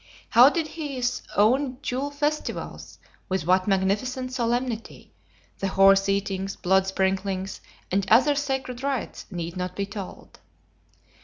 How he did his own Yule festivals, with what magnificent solemnity, the horse eatings, blood sprinklings, and other sacred rites, need not be told.